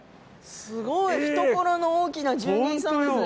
すごい懐の大きな住人さんですね。